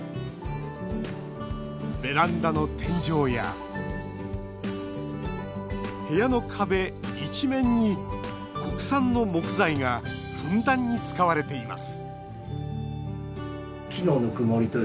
ベランダの天井や部屋の壁一面に国産の木材がふんだんに使われています